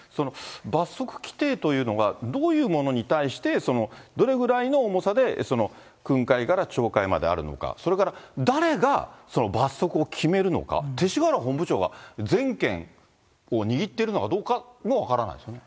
罰則規定というのがどういうものに対して、どれぐらいの重さで、訓戒から懲戒まであるのか、それから誰がその罰則を決めるのか、勅使河原本部長が全権を握ってるのかどうかも分からないですよね。